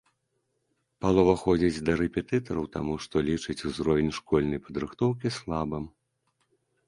Палова ходзіць да рэпетытараў таму, што лічыць узровень школьнай падрыхтоўкі слабым.